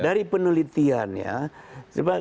dari penelitian ya